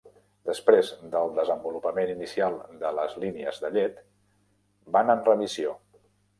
Després del desenvolupament inicial de les línies de llet, van en remissió.